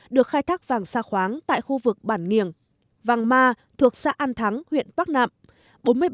được khai thác vàng xa khoáng tại khu vực bản nghiền vàng ma thuộc xã an thắng huyện bắc nạm